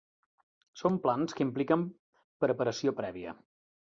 Són plans que impliquen preparació prèvia.